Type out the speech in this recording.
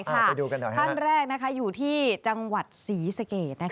ไปดูกันหน่อยท่านแรกอยู่ที่จังหวัดศรีสเกต